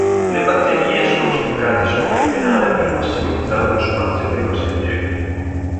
Le batterie sono stoccate sotto il pianale per massimizzare lo spazio per i passeggeri.